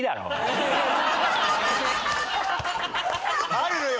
あるのよ